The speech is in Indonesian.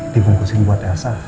dibungkusin buat elsa